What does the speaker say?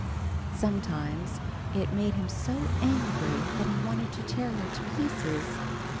Sometimes it made him so angry that he wanted to tear her in pieces.